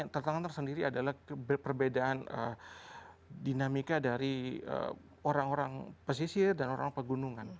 tantangan tersendiri adalah perbedaan dinamika dari orang orang pesisir dan orang pegunungan